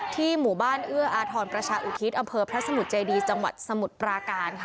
หมู่บ้านเอื้ออาทรประชาอุทิศอำเภอพระสมุทรเจดีจังหวัดสมุทรปราการค่ะ